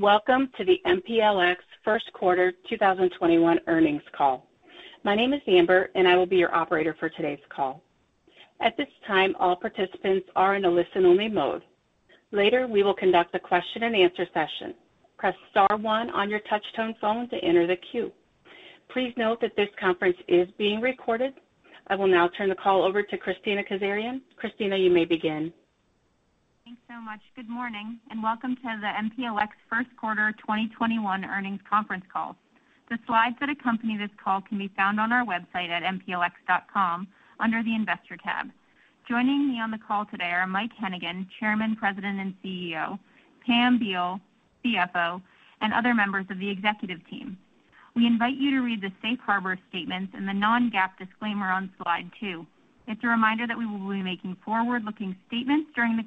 Welcome to the MPLX first quarter 2021 earnings call. My name is Amber, and I will be your operator for today's call. At this time, all participants are in a listen-only mode. Later, we will conduct a question and answer session. Press star one on your touch-tone phone to enter the queue. Please note that this conference is being recorded. I will now turn the call over to Kristina Kazarian. Kristina, you may begin. Thanks so much. Good morning, and welcome to the MPLX first quarter 2021 earnings conference call. The slides that accompany this call can be found on our website at mplx.com under the Investor tab. Joining me on the call today are Mike Hennigan, Chairman, President, and CEO, Pam Beall, CFO, and other members of the executive team. We invite you to read the safe harbor statements and the non-GAAP disclaimer on slide two. It's a reminder that we will be making forward-looking statements during the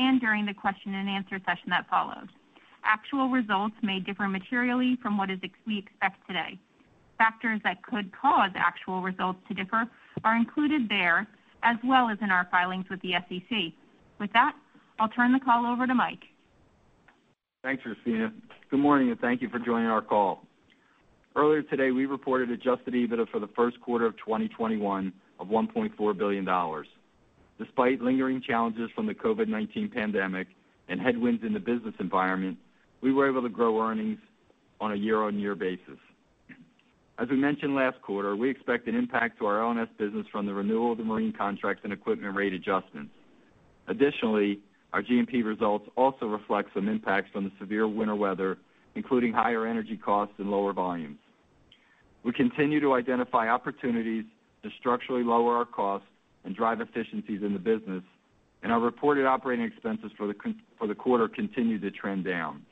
call and during the question and answer session that follows. Actual results may differ materially from what we expect today. Factors that could cause actual results to differ are included there, as well as in our filings with the SEC. With that, I'll turn the call over to Mike. Thanks, Kristina. Good morning, and thank you for joining our call. Earlier today, we reported adjusted EBITDA for the first quarter of 2021 of $1.4 billion. Despite lingering challenges from the COVID-19 pandemic and headwinds in the business environment, we were able to grow earnings on a year-on-year basis. As we mentioned last quarter, we expect an impact to our L&S business from the renewal of the marine contracts and equipment rate adjustments. Additionally, our G&P results also reflect some impacts from the severe winter weather, including higher energy costs and lower volumes. We continue to identify opportunities to structurally lower our costs and drive efficiencies in the business, and our reported operating expenses for the quarter continue to trend down.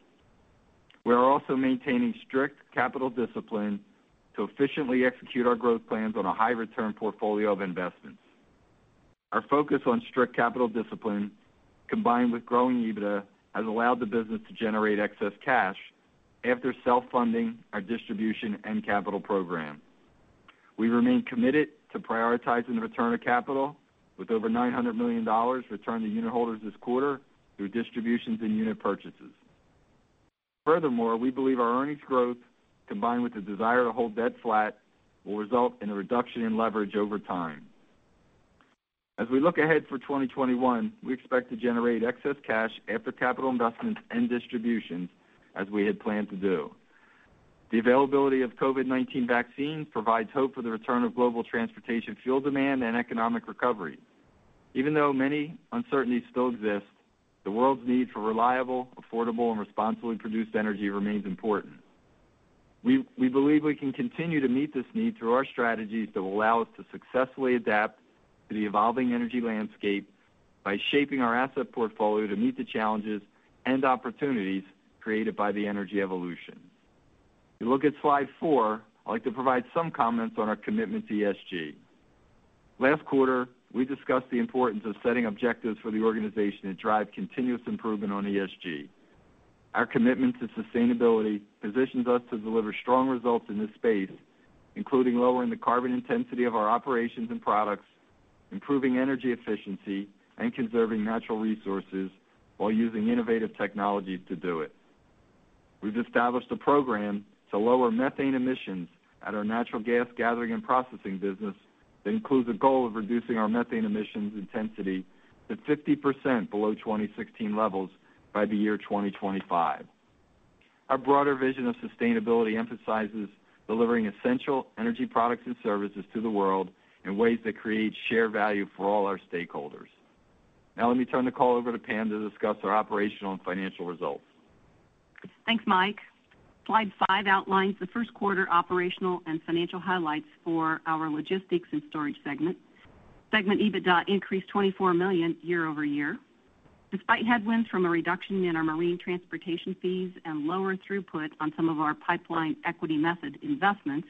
We are also maintaining strict capital discipline to efficiently execute our growth plans on a high-return portfolio of investments. Our focus on strict capital discipline, combined with growing EBITDA, has allowed the business to generate excess cash after self-funding our distribution and capital program. We remain committed to prioritizing the return of capital with over $900 million returned to unit holders this quarter through distributions and unit purchases. We believe our earnings growth, combined with the desire to hold debt flat, will result in a reduction in leverage over time. As we look ahead for 2021, we expect to generate excess cash after capital investments and distributions as we had planned to do. The availability of COVID-19 vaccines provides hope for the return of global transportation fuel demand and economic recovery. Even though many uncertainties still exist, the world's need for reliable, affordable, and responsibly produced energy remains important. We believe we can continue to meet this need through our strategies that will allow us to successfully adapt to the evolving energy landscape by shaping our asset portfolio to meet the challenges and opportunities created by the energy evolution. If you look at slide four, I'd like to provide some comments on our commitment to ESG. Last quarter, we discussed the importance of setting objectives for the organization to drive continuous improvement on ESG. Our commitment to sustainability positions us to deliver strong results in this space, including lowering the carbon intensity of our operations and products, improving energy efficiency, and conserving natural resources while using innovative technologies to do it. We've established a program to lower methane emissions at our natural gas gathering and processing business that includes a goal of reducing our methane emissions intensity to 50% below 2016 levels by the year 2025. Our broader vision of sustainability emphasizes delivering essential energy products and services to the world in ways that create shared value for all our stakeholders. Now let me turn the call over to Pam to discuss our operational and financial results. Thanks, Mike. Slide five outlines the first quarter operational and financial highlights for our Logistics and Storage segment. Segment EBITDA increased $24 million year-over-year. Despite headwinds from a reduction in our marine transportation fees and lower throughput on some of our pipeline equity method investments,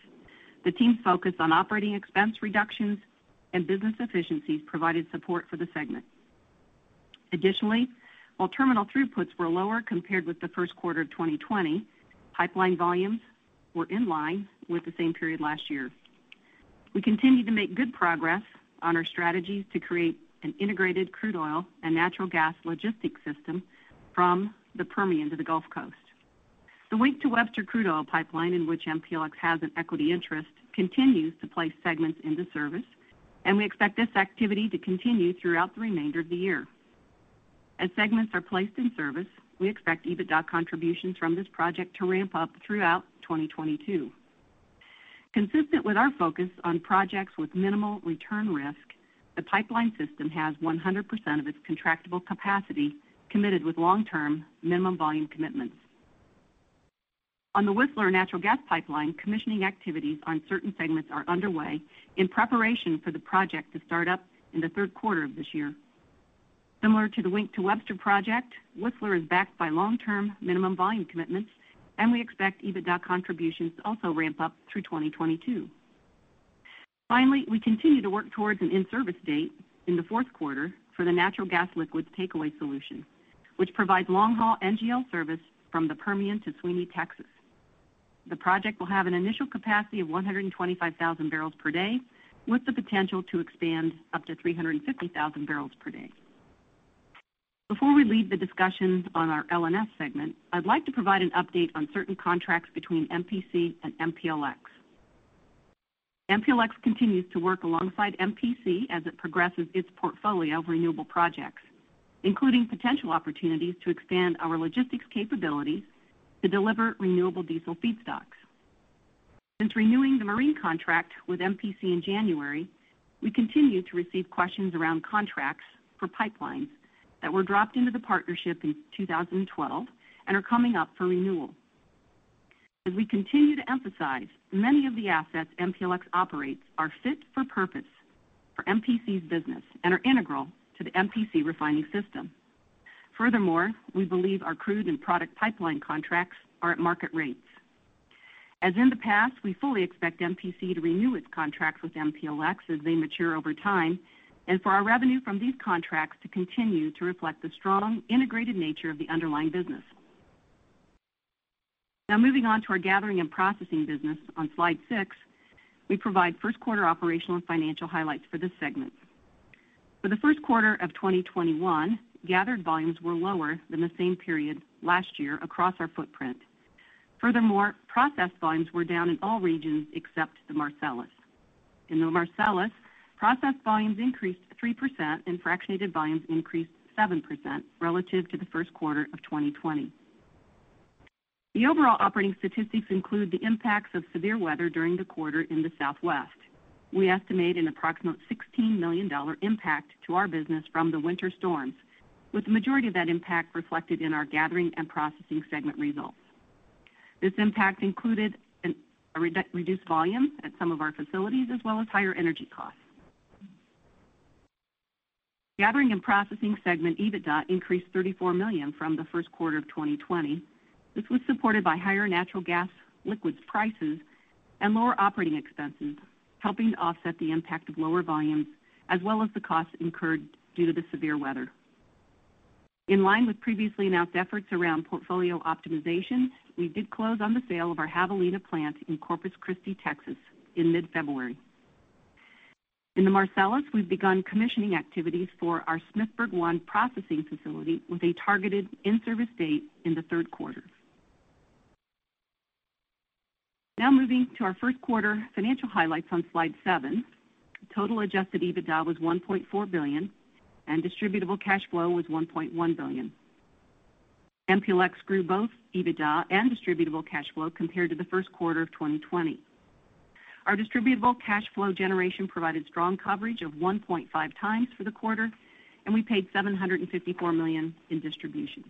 the team's focus on operating expense reductions and business efficiencies provided support for the segment. Additionally, while terminal throughputs were lower compared with the first quarter of 2020, pipeline volumes were in line with the same period last year. We continue to make good progress on our strategies to create an integrated crude oil and natural gas logistics system from the Permian to the Gulf Coast. The Wink to Webster crude oil pipeline, in which MPLX has an equity interest, continues to place segments into service, and we expect this activity to continue throughout the remainder of the year. As segments are placed in service, we expect EBITDA contributions from this project to ramp up throughout 2022. Consistent with our focus on projects with minimal return risk, the pipeline system has 100% of its contractable capacity committed with long-term minimum volume commitments. On the Whistler Pipeline, commissioning activities on certain segments are underway in preparation for the project to start up in the third quarter of this year. Similar to the Wink to Webster, Whistler is backed by long-term minimum volume commitments, and we expect EBITDA contributions to also ramp up through 2022. Finally, we continue to work towards an in-service date in the fourth quarter for the Natural Gas Liquids Takeaway Solution, which provides long-haul NGL service from the Permian to Sweeny, Texas. The project will have an initial capacity of 125,000 barrels per day, with the potential to expand up to 350,000 bbl per day. Before we leave the discussions on our L&S segment, I'd like to provide an update on certain contracts between MPC and MPLX. MPLX continues to work alongside MPC as it progresses its portfolio of renewable projects, including potential opportunities to expand our logistics capabilities to deliver renewable diesel feedstocks. Since renewing the marine contract with MPC in January, we continue to receive questions around contracts for pipelines that were dropped into the partnership in 2012 and are coming up for renewal. As we continue to emphasize, many of the assets MPLX operates are fit for purpose for MPC's business and are integral to the MPC refining system. Furthermore, we believe our crude and product pipeline contracts are at market rates. As in the past, we fully expect MPC to renew its contracts with MPLX as they mature over time, and for our revenue from these contracts to continue to reflect the strong, integrated nature of the underlying business. Now moving on to our Gathering and Processing business. On slide six, we provide first quarter operational and financial highlights for this segment. For the first quarter of 2021, gathered volumes were lower than the same period last year across our footprint. Furthermore, processed volumes were down in all regions except the Marcellus. In the Marcellus, processed volumes increased 3% and fractionated volumes increased 7% relative to the first quarter of 2020. The overall operating statistics include the impacts of severe weather during the quarter in the Southwest. We estimate an approximate $16 million impact to our business from the winter storms, with the majority of that impact reflected in our Gathering and Processing segment results. This impact included a reduced volume at some of our facilities, as well as higher energy costs. Gathering and Processing segment EBITDA increased $34 million from the first quarter of 2020. This was supported by higher natural gas liquids prices and lower operating expenses, helping to offset the impact of lower volumes, as well as the costs incurred due to the severe weather. In line with previously announced efforts around portfolio optimization, we did close on the sale of our Javelina plant in Corpus Christi, Texas, in mid-February. In the Marcellus, we've begun commissioning activities for our Smithburg One processing facility with a targeted in-service date in the third quarter. Moving to our first quarter financial highlights on slide seven. Total adjusted EBITDA was $1.4 billion and distributable cash flow was $1.1 billion. MPLX grew both EBITDA and distributable cash flow compared to the first quarter of 2020. Our distributable cash flow generation provided strong coverage of 1.5 times for the quarter, and we paid $754 million in distributions.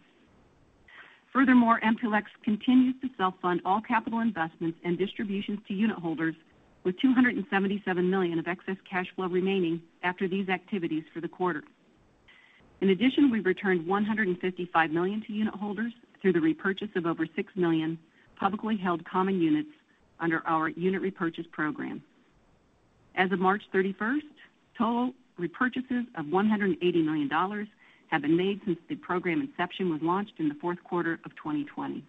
Furthermore, MPLX continues to self-fund all capital investments and distributions to unit holders with $277 million of excess cash flow remaining after these activities for the quarter. In addition, we returned $155 million to unit holders through the repurchase of over six million publicly held common units under our unit repurchase program. As of March 31st, total repurchases of $180 million have been made since the program inception was launched in the fourth quarter of 2020.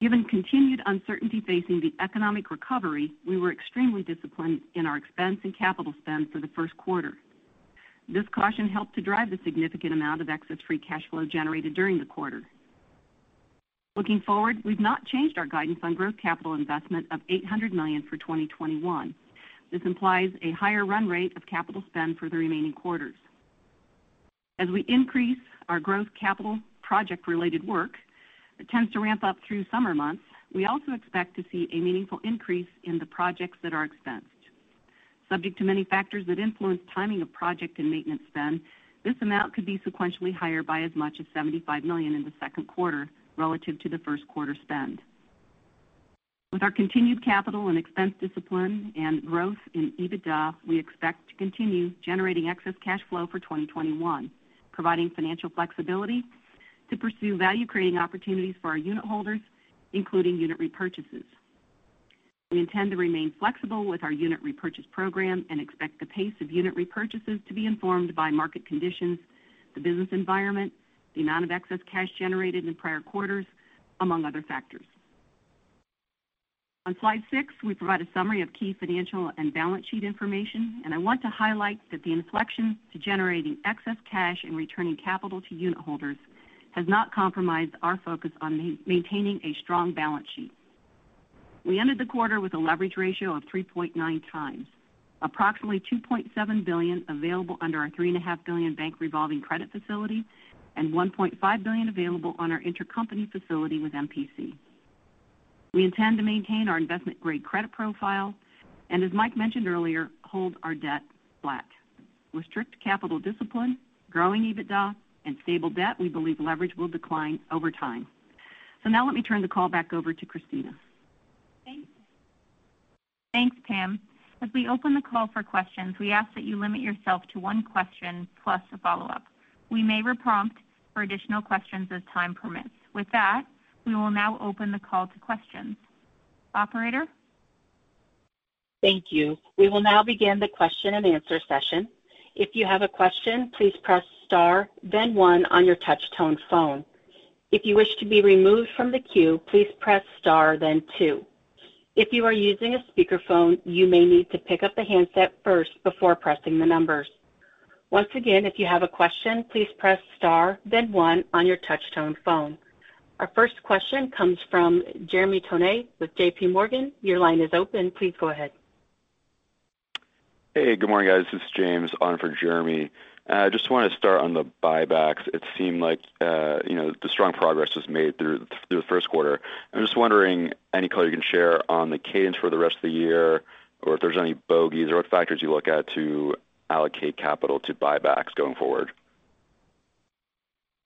Given continued uncertainty facing the economic recovery, we were extremely disciplined in our expense and capital spend for the first quarter. This caution helped to drive the significant amount of excess free cash flow generated during the quarter. Looking forward, we've not changed our guidance on growth capital investment of $800 million for 2021. This implies a higher run rate of capital spend for the remaining quarters. As we increase our growth capital project-related work, it tends to ramp up through summer months. We also expect to see a meaningful increase in the projects that are expensed. Subject to many factors that influence timing of project and maintenance spend, this amount could be sequentially higher by as much as $75 million in the second quarter relative to the first quarter spend. With our continued capital and expense discipline and growth in EBITDA, we expect to continue generating excess cash flow for 2021, providing financial flexibility to pursue value-creating opportunities for our unit holders, including unit repurchases. We intend to remain flexible with our unit repurchase program and expect the pace of unit repurchases to be informed by market conditions, the business environment, the amount of excess cash generated in prior quarters, among other factors. On slide six, we provide a summary of key financial and balance sheet information, and I want to highlight that the inflection to generating excess cash and returning capital to unitholders has not compromised our focus on maintaining a strong balance sheet. We ended the quarter with a leverage ratio of 3.9x, approximately $2.7 billion available under our $3.5 billion bank revolving credit facility, and $1.5 billion available on our intercompany facility with MPC. We intend to maintain our investment-grade credit profile, and as Mike mentioned earlier, hold our debt flat. With strict capital discipline, growing EBITDA, and stable debt, we believe leverage will decline over time. Now let me turn the call back over to Kristina. Thanks, Pam. As we open the call for questions, we ask that you limit yourself to one question plus a follow-up. We may reprompt for additional questions as time permits. With that, we will now open the call to questions. Operator? Thank you. We will now begin the question and answer session. If you have a question, please press star then one on your touch-tone phone. If you wish to be removed from the queue, please press star then two. If you are using a speakerphone, you may need to pick up the handset first before pressing the numbers. Once again, if you have a question, please press star then one on your touch-tone phone. Our first question comes from Jeremy Tonet with JPMorgan. Your line is open. Please go ahead. Hey, good morning, guys. This is James on for Jeremy. I just want to start on the buybacks. It seemed like the strong progress was made through the first quarter. I'm just wondering any color you can share on the cadence for the rest of the year, or if there's any bogeys or what factors you look at to allocate capital to buybacks going forward.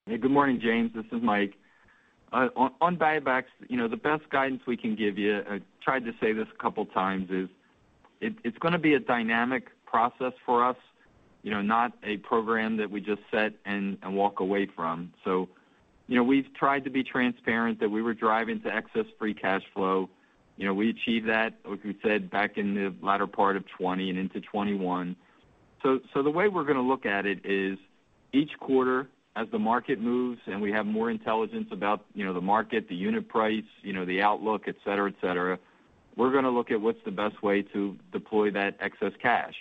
Hey, good morning, James. This is Mike. On buybacks, the best guidance we can give you, I tried to say this a couple of times, is it's going to be a dynamic process for us, not a program that we just set and walk away from. We've tried to be transparent that we were driving to excess free cash flow. We achieved that, like we said, back in the latter part of 2020 and into 2021. The way we're going to look at it is each quarter as the market moves and we have more intelligence about the market, the unit price, the outlook, et cetera. We're going to look at what's the best way to deploy that excess cash.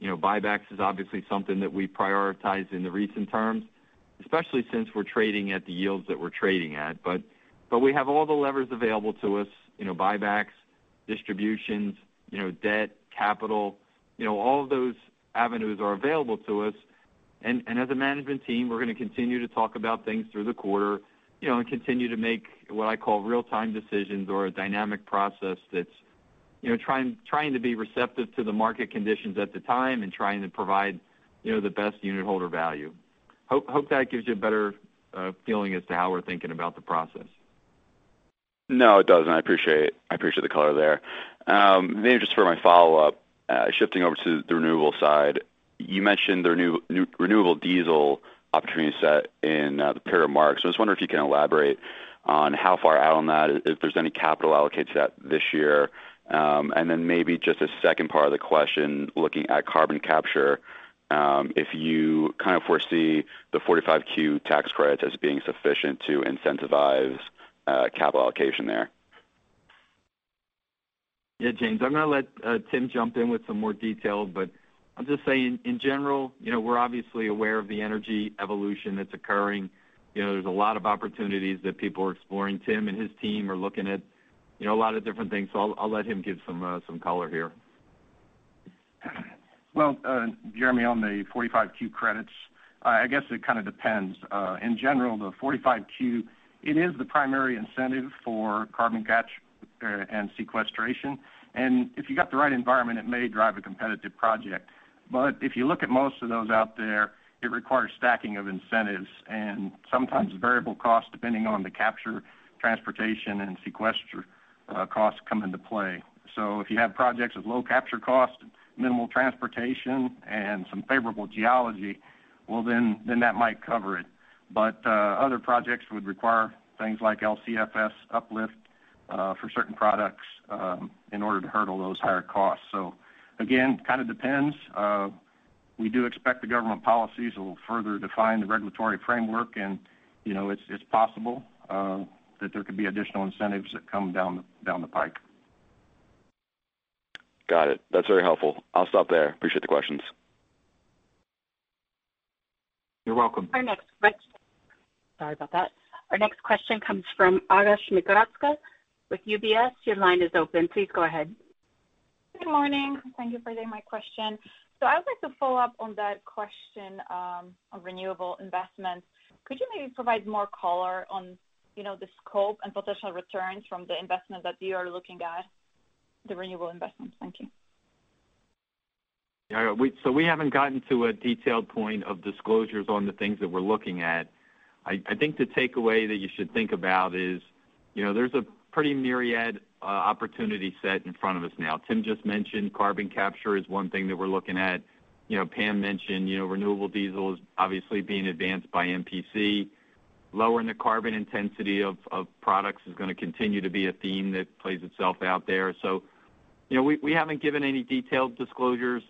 Buybacks is obviously something that we prioritize in the recent terms, especially since we're trading at the yields that we're trading at. We have all the levers available to us, buybacks, distributions, debt, capital, all of those avenues are available to us. As a management team, we're going to continue to talk about things through the quarter, and continue to make what I call real-time decisions or a dynamic process that's trying to be receptive to the market conditions at the time and trying to provide the best unit holder value. Hope that gives you a better feeling as to how we're thinking about the process. No, it does. I appreciate the color there. Maybe just for my follow-up, shifting over to the renewable side, you mentioned the renewable diesel opportunity set in the prepared remarks. I was wondering if you can elaborate on how far out on that, if there's any capital allocated to that this year. Maybe just a second part of the question, looking at carbon capture, if you kind of foresee the 45Q tax credit as being sufficient to incentivize capital allocation there. Yeah, James, I'm going to let Tim jump in with some more detail. I'll just say in general, we're obviously aware of the energy evolution that's occurring. There's a lot of opportunities that people are exploring. Tim and his team are looking at a lot of different things. I'll let him give some color here. Jeremy, on the 45Q credits, I guess it kind of depends. In general, the 45Q, it is the primary incentive for carbon capture and sequestration. If you got the right environment, it may drive a competitive project. If you look at most of those out there, it requires stacking of incentives and sometimes variable costs depending on the capture, transportation, and sequester costs come into play. If you have projects with low capture cost, minimal transportation, and some favorable geology, well, that might cover it. Other projects would require things like LCFS uplift for certain products in order to hurdle those higher costs. Again, kind of depends. We do expect the government policies will further define the regulatory framework, and it's possible that there could be additional incentives that come down the pike. Got it. That's very helpful. I'll stop there. Appreciate the questions. You're welcome. Sorry about that. Our next question comes from Aga Zmigrodzka with UBS. Your line is open. Please go ahead. Good morning. Thank you for taking my question. I would like to follow up on that question on renewable investments. Could you maybe provide more color on the scope and potential returns from the investment that you are looking at, the renewable investments? Thank you. Aga Zmigrodzka, we haven't gotten to a detailed point of disclosures on the things that we're looking at. I think the takeaway that you should think about is there's a pretty myriad opportunity set in front of us now. Tim just mentioned carbon capture is one thing that we're looking at. Pam mentioned renewable diesel is obviously being advanced by MPC. Lowering the carbon intensity of products is going to continue to be a theme that plays itself out there. We haven't given any detailed disclosures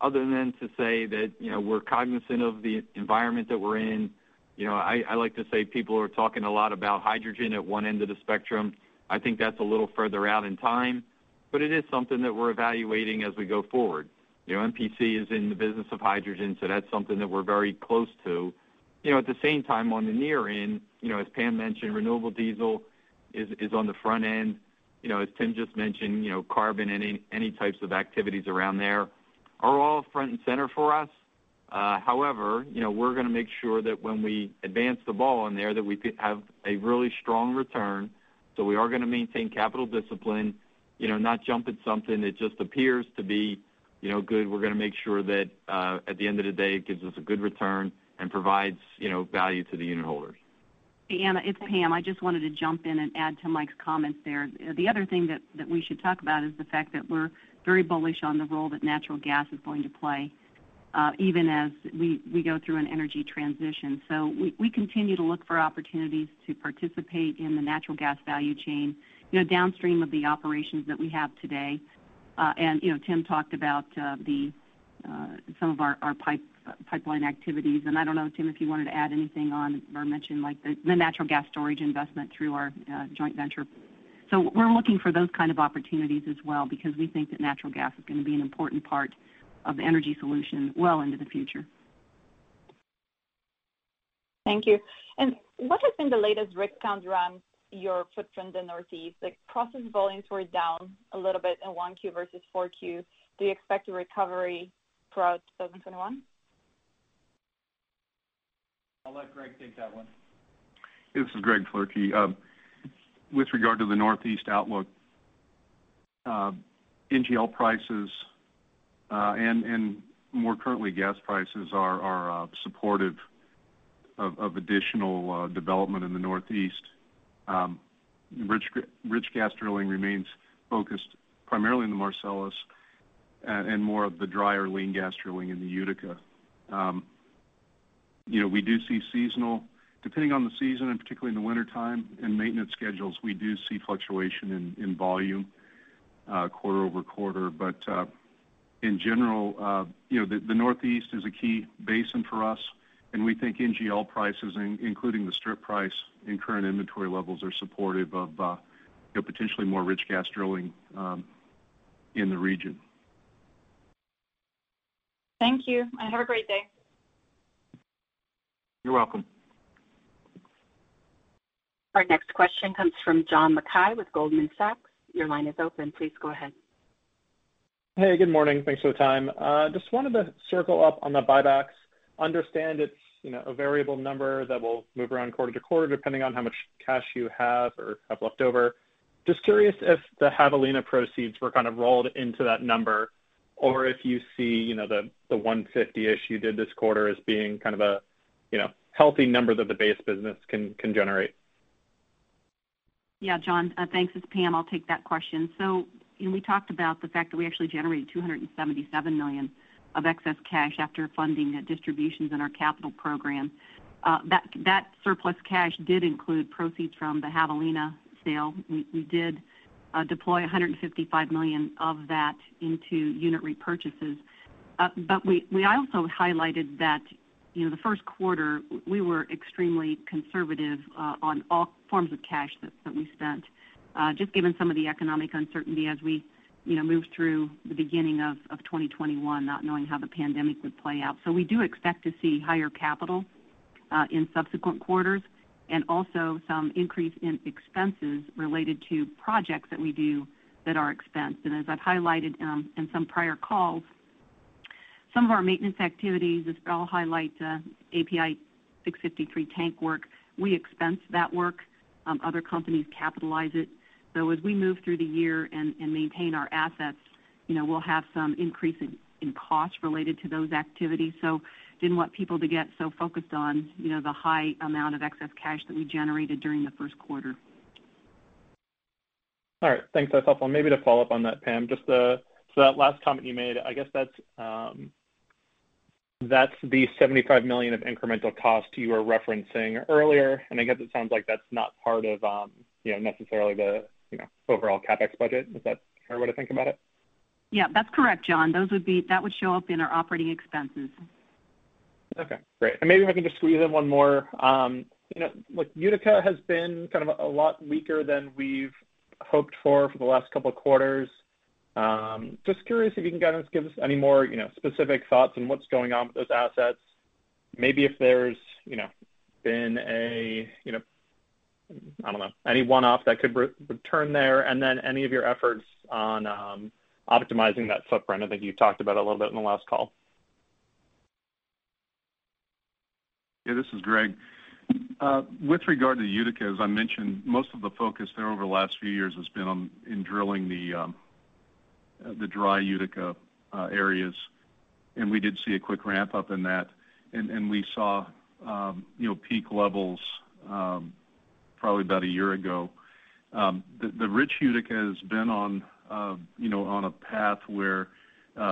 other than to say that we're cognizant of the environment that we're in. I like to say people are talking a lot about hydrogen at one end of the spectrum. I think that's a little further out in time, but it is something that we're evaluating as we go forward. MPC is in the business of hydrogen, so that's something that we're very close to. At the same time, on the near end, as Pam mentioned, renewable diesel is on the front end. As Tim just mentioned, carbon and any types of activities around there are all front and center for us. However, we're going to make sure that when we advance the ball in there, that we have a really strong return. We are going to maintain capital discipline, not jump at something that just appears to be good. We're going to make sure that at the end of the day, it gives us a good return and provides value to the unitholders. Aga, it's Pam. I just wanted to jump in and add to Mike's comments there. The other thing that we should talk about is the fact that we're very bullish on the role that natural gas is going to play even as we go through an energy transition. We continue to look for opportunities to participate in the natural gas value chain downstream of the operations that we have today. Tim talked about some of our pipeline activities. I don't know, Tim, if you wanted to add anything on or mention the natural gas storage investment through our joint venture. We're looking for those kinds of opportunities as well, because we think that natural gas is going to be an important part of the energy solution well into the future. Thank you. What has been the latest rig count around your footprint in the Northeast? Like processed volumes were down a little bit in 1Q versus 4Q. Do you expect a recovery throughout 2021? I'll let Greg take that one. This is Greg Floerke. With regard to the Northeast outlook, NGL prices, and more currently, gas prices, are supportive of additional development in the Northeast. Rich gas drilling remains focused primarily in the Marcellus and more of the drier lean gas drilling in the Utica. Depending on the season, and particularly in the wintertime and maintenance schedules, we do see fluctuation in volume quarter over quarter. In general, the Northeast is a key basin for us, and we think NGL prices, including the strip price and current inventory levels, are supportive of potentially more rich gas drilling in the region. Thank you, and have a great day. You're welcome. Our next question comes from John Mackay with Goldman Sachs. Your line is open. Please go ahead. Hey, good morning. Thanks for the time. Just wanted to circle up on the buybacks. Understand it's a variable number that will move around quarter to quarter depending on how much cash you have or have left over. Just curious if the Javelina proceeds were kind of rolled into that number or if you see the $150-ish you did this quarter as being kind of a healthy number that the base business can generate. Yeah. John, thanks. It's Pam. I'll take that question. We talked about the fact that we actually generated $277 million of excess cash after funding distributions in our capital program. That surplus cash did include proceeds from the Javelina sale. We did deploy $155 million of that into unit repurchases. We also highlighted that the first quarter we were extremely conservative on all forms of cash that we spent just given some of the economic uncertainty as we moved through the beginning of 2021, not knowing how the pandemic would play out. We do expect to see higher capital in subsequent quarters and also some increase in expenses related to projects that we do that are expensed. As I've highlighted in some prior calls, some of our maintenance activities, all highlights the API 653 tank work, we expense that work. Other companies capitalize it. As we move through the year and maintain our assets, we'll have some increase in costs related to those activities. Didn't want people to get so focused on the high amount of excess cash that we generated during the first quarter. All right. Thanks. That's helpful. Maybe to follow up on that, Pam, that last comment you made, I guess that's the $75 million of incremental cost you were referencing earlier, and I guess it sounds like that's not part of necessarily the overall CapEx budget. Is that a fair way to think about it? Yeah, that's correct, John. That would show up in our operating expenses. Okay, great. Maybe if I can just squeeze in one more. Utica has been kind of a lot weaker than we've hoped for for the last couple of quarters. Just curious if you can kind of give us any more specific thoughts on what's going on with those assets, maybe if there's been a, I don't know, any one-off that could return there, and then any of your efforts on optimizing that footprint. I think you talked about it a little bit in the last call. Yeah, this is Greg. With regard to Utica, as I mentioned, most of the focus there over the last few years has been in drilling the dry Utica areas, and we did see a quick ramp-up in that, and we saw peak levels probably about one year ago. The rich Utica has been on a path where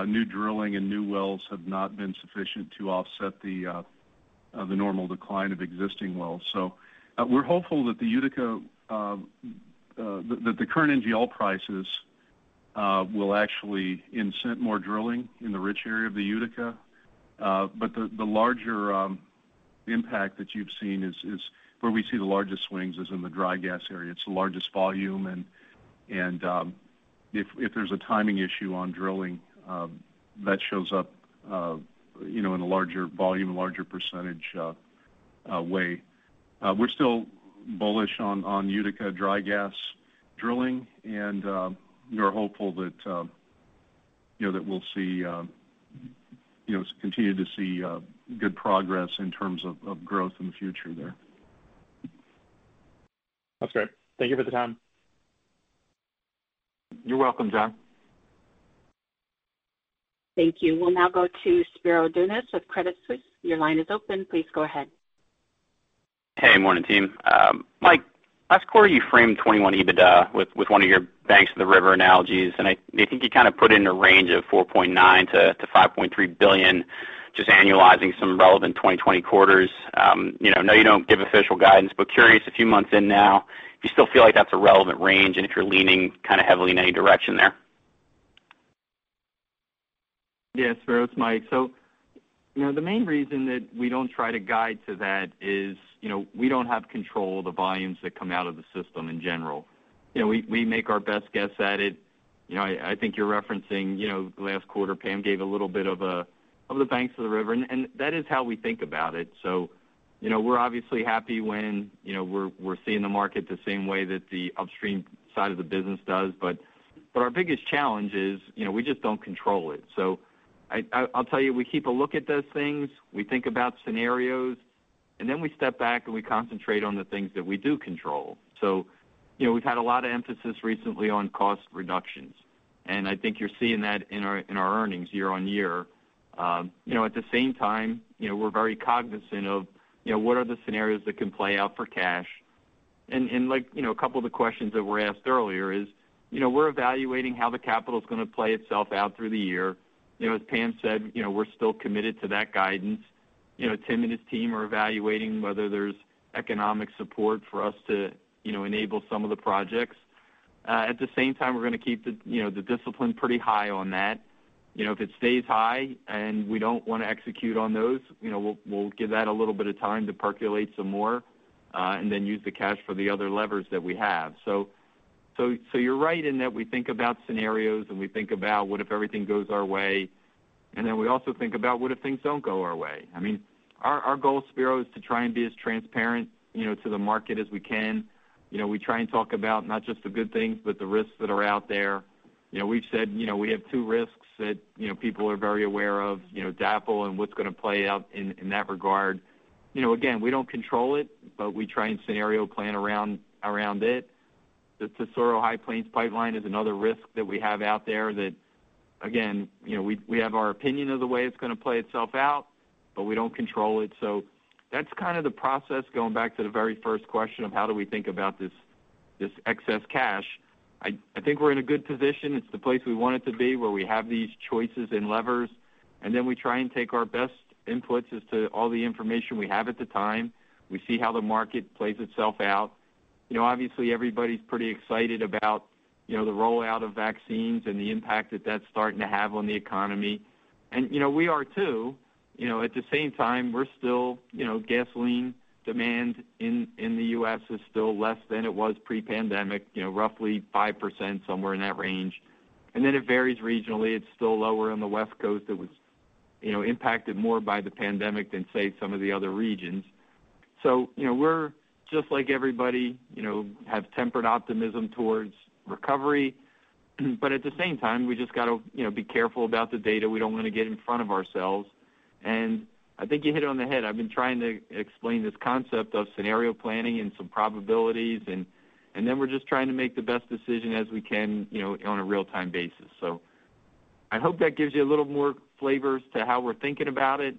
new drilling and new wells have not been sufficient to offset the normal decline of existing wells. We're hopeful that the current NGL prices will actually incent more drilling in the rich area of the Utica. The larger impact that you've seen is where we see the largest swings is in the dry gas area. It's the largest volume, and if there's a timing issue on drilling that shows up in a larger volume, larger percentage way. We're still bullish on Utica dry gas drilling, and we are hopeful that we'll continue to see good progress in terms of growth in the future there. That's great. Thank you for the time. You're welcome, John. Thank you. We'll now go to Spiro Dounis with Credit Suisse. Your line is open. Please go ahead. Hey, morning team. Mike, last quarter you framed 2021 EBITDA with one of your banks of the river analogies. I think you kind of put it in a range of $4.9 billion-$5.3 billion, just annualizing some relevant 2020 quarters. I know you don't give official guidance, curious, a few months in now, if you still feel like that's a relevant range and if you're leaning kind of heavily in any direction there. Yes, Spiro. It's Michael. The main reason that we don't try to guide to that is we don't have control of the volumes that come out of the system in general. We make our best guess at it. I think you're referencing last quarter, Pam gave a little bit of the banks of the river, and that is how we think about it. We're obviously happy when we're seeing the market the same way that the upstream side of the business does. Our biggest challenge is we just don't control it. I'll tell you, we keep a look at those things. We think about scenarios, we step back, and we concentrate on the things that we do control. We've had a lot of emphasis recently on cost reductions, and I think you're seeing that in our earnings year-on-year. At the same time, we're very cognizant of what are the scenarios that can play out for cash. A couple of the questions that were asked earlier is, we're evaluating how the capital is going to play itself out through the year. As Pam said, we're still committed to that guidance. Tim and his team are evaluating whether there's economic support for us to enable some of the projects. At the same time, we're going to keep the discipline pretty high on that. If it stays high and we don't want to execute on those, we'll give that a little bit of time to percolate some more, and then use the cash for the other levers that we have. You're right in that we think about scenarios, and we think about what if everything goes our way, and we also think about what if things don't go our way. Our goal, Spiro, is to try and be as transparent to the market as we can. We try and talk about not just the good things, but the risks that are out there. We've said we have two risks that people are very aware of, DAPL and what's going to play out in that regard. Again, we don't control it, but we try and scenario plan around it. The Tesoro High Plains Pipeline is another risk that we have out there that, again, we have our opinion of the way it's going to play itself out, but we don't control it. That's kind of the process, going back to the very first question of how do we think about this excess cash. I think we're in a good position. It's the place we want it to be, where we have these choices and levers, then we try and take our best inputs as to all the information we have at the time. We see how the market plays itself out. Obviously, everybody's pretty excited about the rollout of vaccines and the impact that that's starting to have on the economy. We are too. At the same time, gasoline demand in the U.S. is still less than it was pre-pandemic, roughly 5%, somewhere in that range. Then it varies regionally. It's still lower on the West Coast. It was impacted more by the pandemic than, say, some of the other regions. We're just like everybody, have tempered optimism towards recovery. At the same time, we just got to be careful about the data. We don't want to get in front of ourselves. I think you hit it on the head. I've been trying to explain this concept of scenario planning and some probabilities, and then we're just trying to make the best decision as we can on a real-time basis. I hope that gives you a little more flavor as to how we're thinking about it.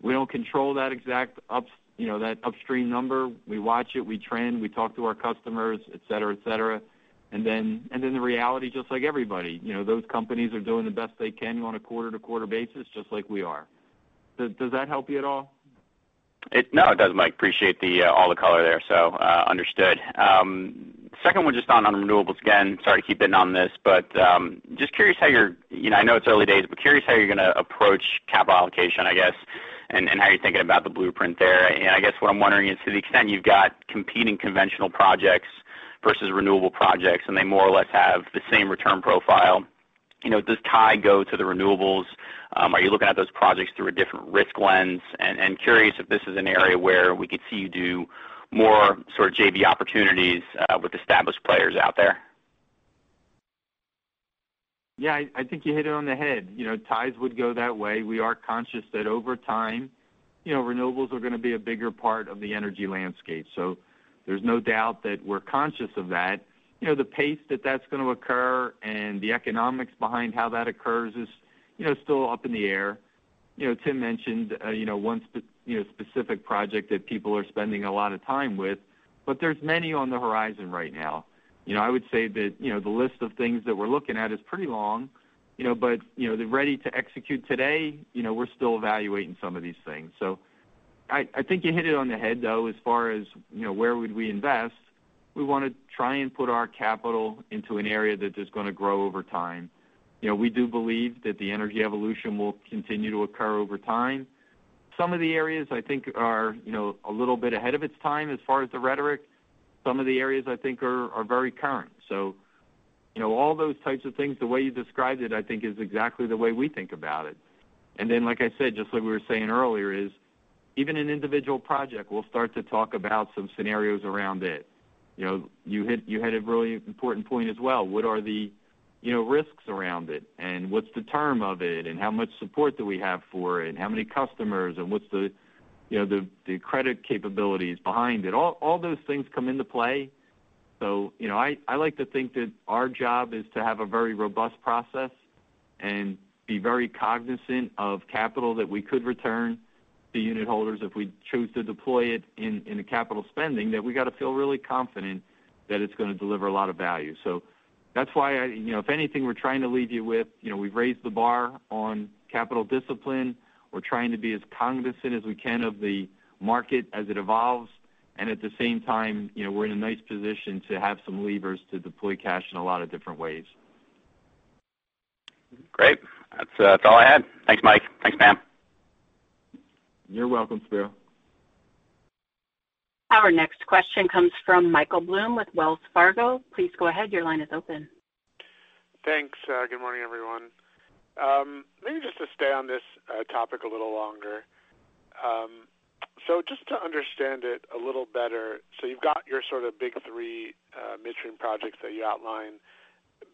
We don't control that exact upstream number. We watch it, we trend, we talk to our customers, et cetera. The reality is just like everybody. Those companies are doing the best they can on a quarter-to-quarter basis, just like we are. Does that help you at all? No, it does, Mike. Appreciate all the color there. Understood. Second one, just on renewables. Again, sorry to keep hitting on this, but just curious. I know it's early days, but curious how you're going to approach capital allocation, I guess, and how you're thinking about the blueprint there. I guess what I'm wondering is to the extent you've got competing conventional projects versus renewable projects, and they more or less have the same return profile, does tie go to the renewables? Are you looking at those projects through a different risk lens? Curious if this is an area where we could see you do more sort of JV opportunities with established players out there. Yeah. I think you hit it on the head. Ties would go that way. We are conscious that over time, renewables are going to be a bigger part of the energy landscape. There's no doubt that we're conscious of that. The pace that that's going to occur and the economics behind how that occurs is still up in the air. Tim mentioned one specific project that people are spending a lot of time with. There's many on the horizon right now. I would say that the list of things that we're looking at is pretty long. The ready to execute today, we're still evaluating some of these things. I think you hit it on the head, though, as far as where would we invest. We want to try and put our capital into an area that is going to grow over time. We do believe that the energy evolution will continue to occur over time. Some of the areas I think are a little bit ahead of its time as far as the rhetoric. Some of the areas I think are very current. All those types of things, the way you described it, I think is exactly the way we think about it. Like I said, just like we were saying earlier, is even an individual project, we'll start to talk about some scenarios around it. You hit a really important point as well. What are the risks around it? What's the term of it? How much support do we have for it? How many customers? What's the credit capabilities behind it? All those things come into play. I like to think that our job is to have a very robust process and be very cognizant of capital that we could return to unit holders if we choose to deploy it into capital spending, that we got to feel really confident that it's going to deliver a lot of value. That's why, if anything, we're trying to leave you with, we've raised the bar on capital discipline. We're trying to be as cognizant as we can of the market as it evolves. At the same time, we're in a nice position to have some levers to deploy cash in a lot of different ways. Great. That's all I had. Thanks, Mike. Thanks, Pam. You're welcome, Spiro. Our next question comes from Michael Blum with Wells Fargo. Please go ahead. Your line is open. Thanks. Good morning, everyone. Maybe just to stay on this topic a little longer. Just to understand it a little better, you've got your sort of big three midstream projects that you outlined.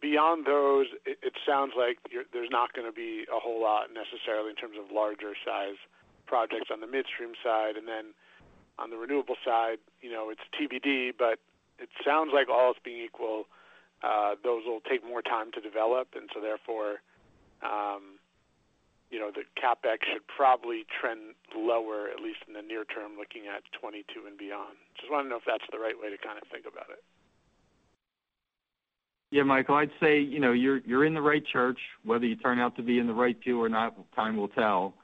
Beyond those, it sounds like there's not going to be a whole lot necessarily in terms of larger size projects on the midstream side. On the renewable side, it's TBD, but it sounds like all else being equal, those will take more time to develop. Therefore, the CapEx should probably trend lower, at least in the near term, looking at 2022 and beyond. Just want to know if that's the right way to kind of think about it. Yeah, Michael, I'd say you're in the right church. Whether you turn out to be in the right pew or not, time will tell.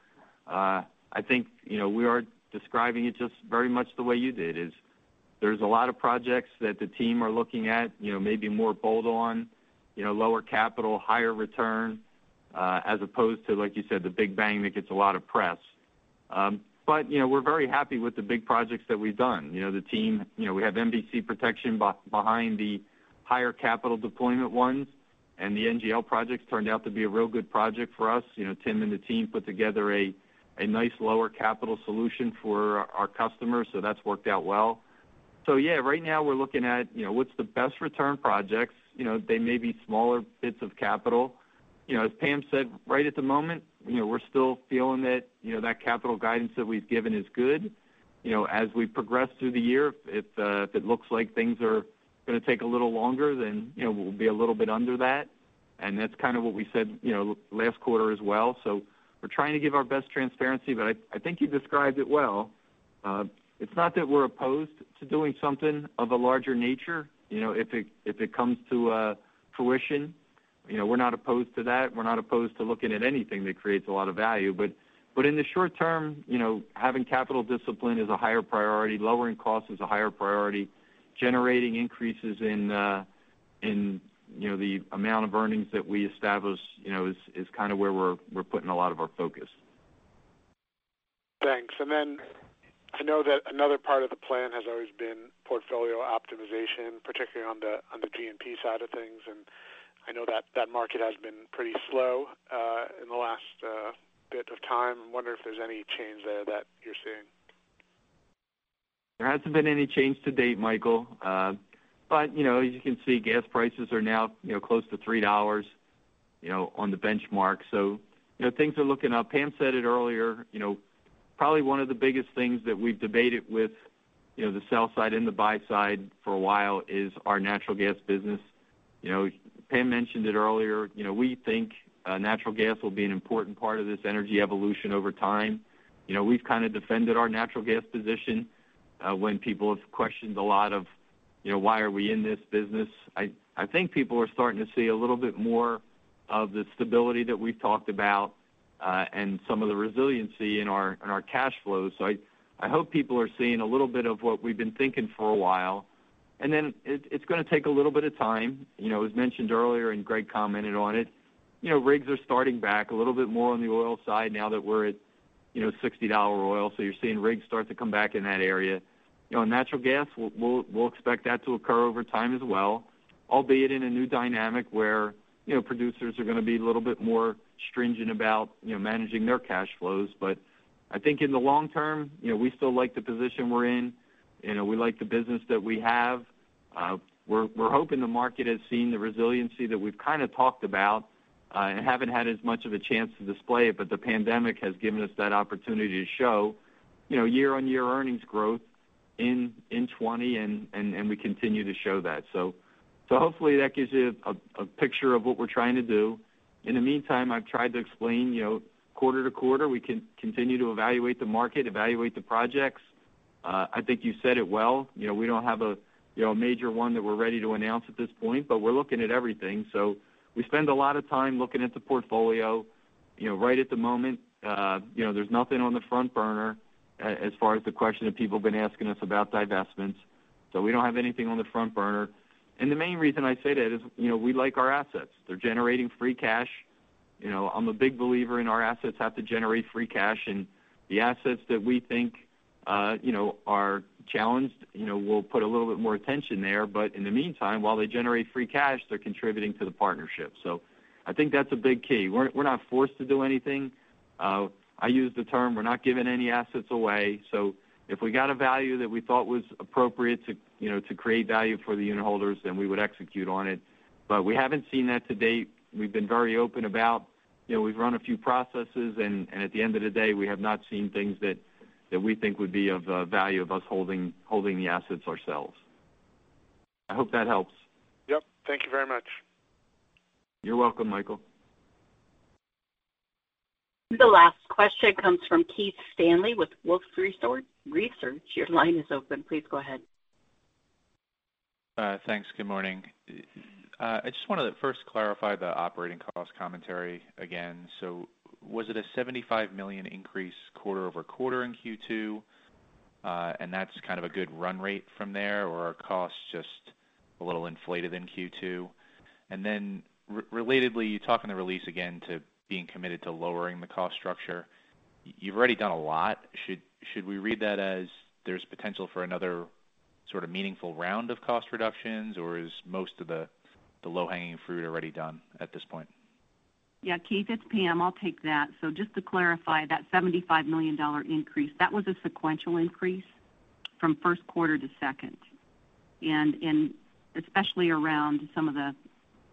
I think we are describing it just very much the way you did, is there's a lot of projects that the team are looking at, maybe more bold on, lower capital, higher return, as opposed to, like you said, the big bang that gets a lot of press. We're very happy with the big projects that we've done. We have MVC protection behind the higher capital deployment ones, and the NGL projects turned out to be a real good project for us. Tim and the team put together a nice lower capital solution for our customers, so that's worked out well. Yeah, right now we're looking at what's the best return projects. They may be smaller bits of capital. As Pam Beall said, right at the moment, we're still feeling that capital guidance that we've given is good. As we progress through the year, if it looks like things are going to take a little longer, then we'll be a little bit under that. That's kind of what we said last quarter as well. We're trying to give our best transparency, but I think you described it well. It's not that we're opposed to doing something of a larger nature. If it comes to fruition, we're not opposed to that. We're not opposed to looking at anything that creates a lot of value. In the short term, having capital discipline is a higher priority. Lowering costs is a higher priority. Generating increases in the amount of earnings that we establish is kind of where we're putting a lot of our focus. Thanks. I know that another part of the plan has always been portfolio optimization, particularly on the G&P side of things. I know that that market has been pretty slow in the last bit of time. I wonder if there's any change there that you're seeing. There hasn't been any change to date, Michael. As you can see, gas prices are now close to $3 on the benchmark. Things are looking up. Pam said it earlier. Probably one of the biggest things that we've debated with the sell side and the buy side for a while is our natural gas business. Pam mentioned it earlier. We think natural gas will be an important part of this energy evolution over time. We've kind of defended our natural gas position when people have questioned a lot of why are we in this business. I think people are starting to see a little bit more of the stability that we've talked about and some of the resiliency in our cash flows. I hope people are seeing a little bit of what we've been thinking for a while. It's going to take a little bit of time. As mentioned earlier, Greg commented on it, rigs are starting back a little bit more on the oil side now that we're at $60 oil. You're seeing rigs start to come back in that area. Natural gas, we'll expect that to occur over time as well, albeit in a new dynamic where producers are going to be a little bit more stringent about managing their cash flows. I think in the long term, we still like the position we're in. We like the business that we have. We're hoping the market has seen the resiliency that we've kind of talked about and haven't had as much of a chance to display it. The pandemic has given us that opportunity to show year-on-year earnings growth in 2020, and we continue to show that. Hopefully that gives you a picture of what we're trying to do. In the meantime, I've tried to explain quarter to quarter, we can continue to evaluate the market, evaluate the projects. I think you said it well. We don't have a major one that we're ready to announce at this point, but we're looking at everything. We spend a lot of time looking at the portfolio. Right at the moment, there's nothing on the front burner as far as the question that people have been asking us about divestments. We don't have anything on the front burner. The main reason I say that is we like our assets. They're generating free cash. I'm a big believer in our assets have to generate free cash, and the assets that we think are challenged, we'll put a little bit more attention there. In the meantime, while they generate free cash, they're contributing to the partnership. I think that's a big key. We're not forced to do anything. I use the term we're not giving any assets away. If we got a value that we thought was appropriate to create value for the unitholders, then we would execute on it. We haven't seen that to date. We've been very open. We've run a few processes, at the end of the day, we have not seen things that we think would be of value of us holding the assets ourselves. I hope that helps. Yep. Thank you very much. You're welcome, Michael. The last question comes from Keith Stanley with Wolfe Research. Your line is open. Please go ahead. Thanks. Good morning. I just wanted to first clarify the operating cost commentary again. Was it a $75 million increase quarter-over-quarter in Q2? That's kind of a good run rate from there or are costs just a little inflated in Q2? Relatedly, you talk in the release again to being committed to lowering the cost structure. You've already done a lot. Should we read that as there's potential for another sort of meaningful round of cost reductions, or is most of the low-hanging fruit already done at this point? Yeah, Keith, it's Pam. I'll take that. Just to clarify, that $75 million increase, that was a sequential increase from first quarter to second, and especially around some of the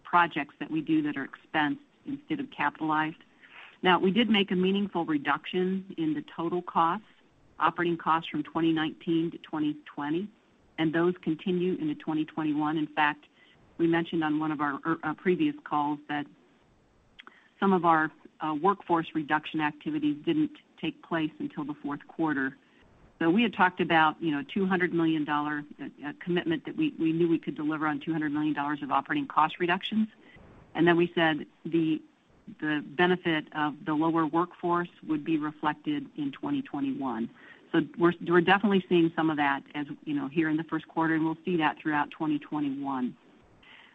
projects that we do that are expensed instead of capitalized. We did make a meaningful reduction in the total costs, operating costs from 2019-2020, and those continue into 2021. In fact, we mentioned on one of our previous calls that some of our workforce reduction activities didn't take place until the fourth quarter. We had talked about a commitment that we knew we could deliver on $200 million of operating cost reductions. We said the benefit of the lower workforce would be reflected in 2021. We're definitely seeing some of that here in the first quarter, and we'll see that throughout 2021.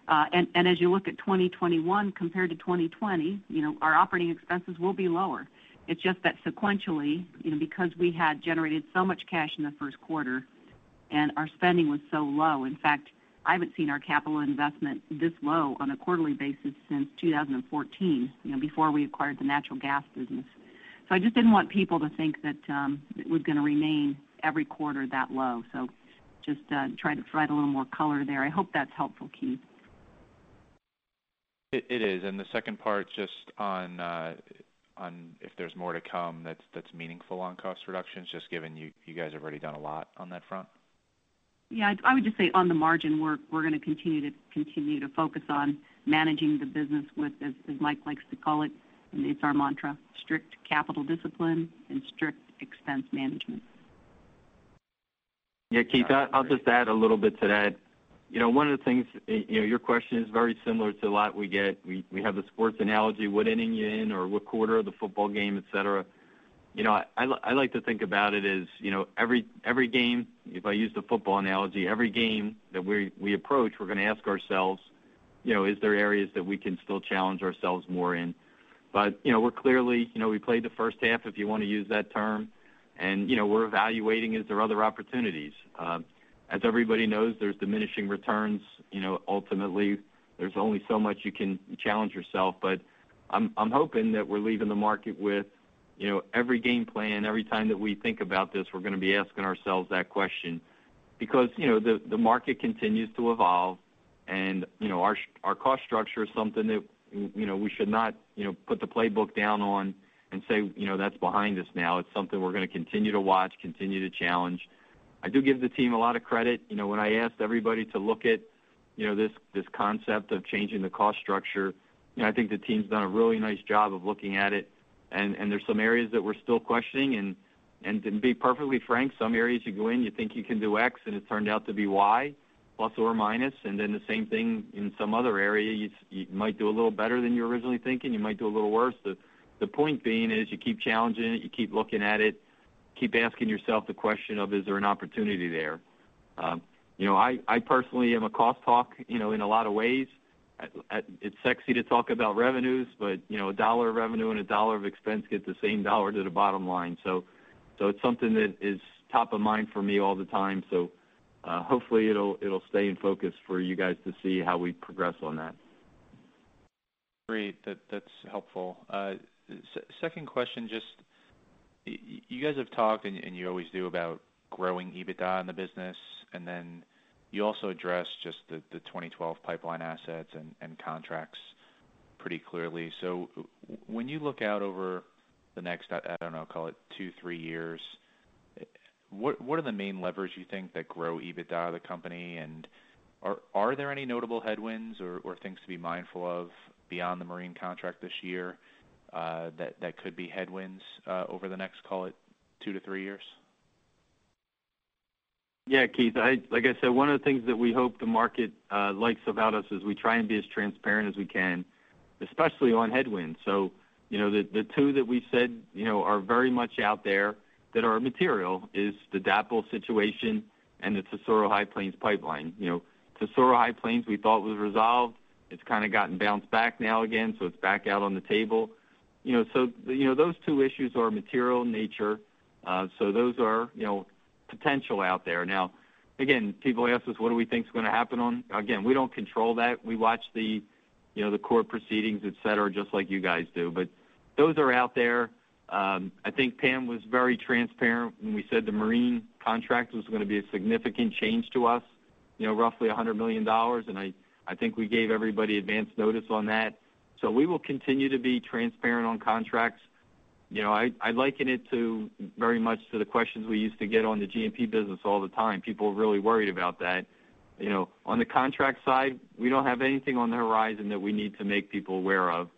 As you look at 2021 compared to 2020, our operating expenses will be lower. It's just that sequentially, because we had generated so much cash in the first quarter and our spending was so low, in fact, I haven't seen our capital investment this low on a quarterly basis since 2014, before we acquired the natural gas business. I just didn't want people to think that it was going to remain every quarter that low. Just trying to provide a little more color there. I hope that's helpful, Keith. It is. The second part, just on if there's more to come that's meaningful on cost reductions, just given you guys have already done a lot on that front? I would just say on the margin, we're going to continue to focus on managing the business with, as Mike likes to call it, and it's our mantra, strict capital discipline and strict expense management. Yeah, Keith, I'll just add a little bit to that. Your question is very similar to a lot we get. We have the sports analogy, what inning you in or what quarter of the football game, et cetera. I like to think about it as every game, if I use the football analogy, every game that we approach, we're going to ask ourselves, is there areas that we can still challenge ourselves more in? We played the first half, if you want to use that term, and we're evaluating, is there other opportunities? As everybody knows, there's diminishing returns. Ultimately, there's only so much you can challenge yourself. I'm hoping that we're leaving the market with every game plan. Every time that we think about this, we're going to be asking ourselves that question. Because the market continues to evolve, and our cost structure is something that we should not put the playbook down on and say, "That's behind us now." It's something we're going to continue to watch, continue to challenge. I do give the team a lot of credit. When I asked everybody to look at this concept of changing the cost structure, I think the team's done a really nice job of looking at it. There's some areas that we're still questioning. To be perfectly frank, some areas you go in, you think you can do X, and it's turned out to be Y, plus or minus. The same thing in some other area. You might do a little better than you originally thinking. You might do a little worse. The point being is you keep challenging it. You keep looking at it. Keep asking yourself the question of, is there an opportunity there? I personally am a cost hawk in a lot of ways. It's sexy to talk about revenues, but a dollar of revenue and a dollar of expense get the same dollar to the bottom line. It's something that is top of mind for me all the time. Hopefully it'll stay in focus for you guys to see how we progress on that. Great. That's helpful. second question, just you guys have talked, and you always do, about growing EBITDA in the business, and then you also address just the 2012 pipeline assets and contracts pretty clearly. When you look out over the next, I don't know, call it two, three years, what are the main levers you think that grow EBITDA of the company? Are there any notable headwinds or things to be mindful of beyond the marine contract this year that could be headwinds over the next, call it, two to three years? Yeah, Keith. Like I said, one of the things that we hope the market likes about us is we try and be as transparent as we can, especially on headwinds. The two that we said are very much out there that are material is the DAPL situation, and it's the Tesoro High Plains Pipeline. Tesoro High Plains we thought was resolved. It's kind of gotten bounced back now again, so it's back out on the table. Those two issues are material in nature. Those are potential out there. Now, again, people ask us, what do we think is going to happen. Again, we don't control that. We watch the court proceedings, et cetera, just like you guys do. Those are out there. I think Pam was very transparent when we said the marine contract was going to be a significant change to us, $100 million. I think we gave everybody advance notice on that. We will continue to be transparent on contracts. I liken it very much to the questions we used to get on the G&P business all the time. People were really worried about that. On the contract side, we don't have anything on the horizon that we need to make people aware of.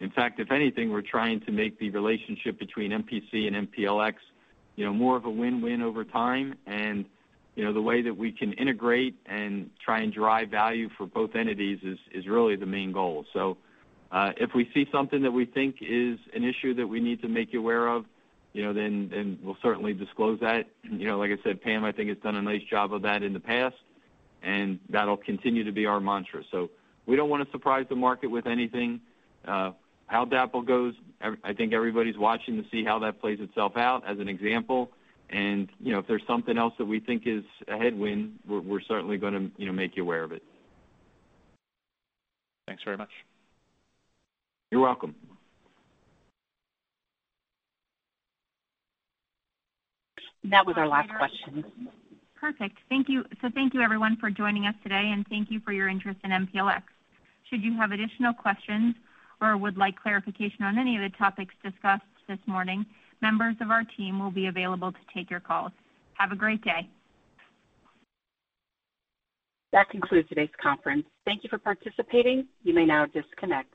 In fact, if anything, we're trying to make the relationship between MPC and MPLX more of a win-win over time. The way that we can integrate and try and drive value for both entities is really the main goal. If we see something that we think is an issue that we need to make you aware of, then we'll certainly disclose that. Like I said, Pam, I think, has done a nice job of that in the past, and that'll continue to be our mantra. We don't want to surprise the market with anything. How DAPL goes, I think everybody's watching to see how that plays itself out as an example. If there's something else that we think is a headwind, we're certainly going to make you aware of it. Thanks very much. You're welcome. That was our last question. Perfect. Thank you everyone for joining us today, and thank you for your interest in MPLX. Should you have additional questions or would like clarification on any of the topics discussed this morning, members of our team will be available to take your calls. Have a great day. That concludes today's conference. Thank you for participating. You may now disconnect.